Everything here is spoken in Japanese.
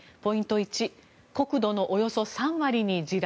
１国土のおよそ３割に地雷